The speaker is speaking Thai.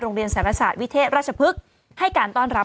สารศาสตร์วิเทศราชพฤกษ์ให้การต้อนรับ